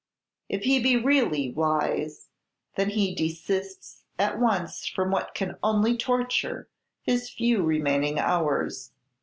If he be really wise, then he desists at once from what can only torture his few remaining hours.